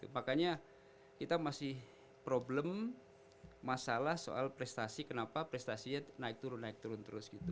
makanya kita masih problem masalah soal prestasi kenapa prestasinya naik turun naik turun terus gitu